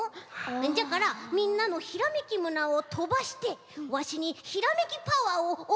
じゃからみんなのひらめきムナーをとばしてワシにひらめきパワーをおくってほしいんじゃ」。